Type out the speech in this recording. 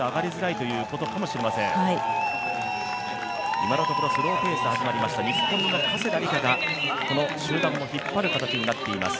今のところスローペースで始まりました日本の加世田梨花が、この集団を引っ張る形となっています。